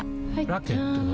ラケットは？